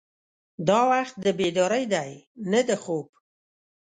دا وخت د بیدارۍ دی نه د خوب.